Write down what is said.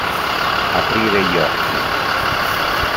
Aprire gli occhi.